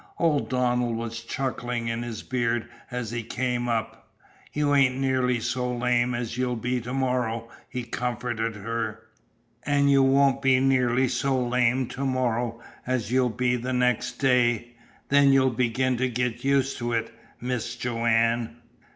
Old Donald was chuckling in his beard as he came up. "You ain't nearly so lame as you'll be to morrow," he comforted her. "An' you won't be nearly so lame to morrow as you'll be next day. Then you'll begin to get used to it, Mis' Joanne."